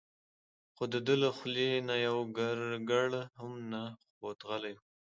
خو دده له خولې نه یو ګړ هم نه خوت غلی و.